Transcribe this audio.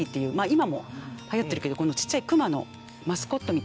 今も流行ってるけどちっちゃいクマのマスコットみたいな。